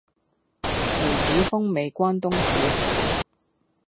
梅子風味關東煮